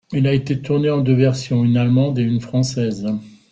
Il a été tourné en deux versions, une allemande et une française.